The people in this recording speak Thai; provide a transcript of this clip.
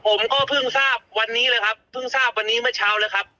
ผมก็เพิ่งทราบวันนี้เลยครับเพิ่งทราบวันนี้เมื่อเช้าแล้วครับ